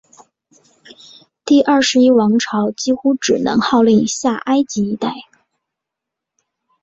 第二十一王朝几乎只能号令下埃及一带。